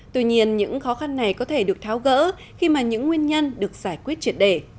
tuy nhiên những khó khăn này có thể được tháo gỡ khi mà những nguyên nhân được giải quyết triệt đề